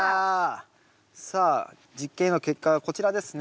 さあ実験の結果はこちらですね。